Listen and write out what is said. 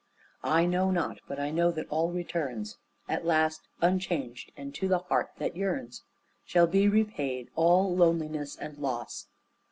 I know not but I know that all returns At last unchanged, and to the heart that yearns Shall be repaid all loneliness and loss.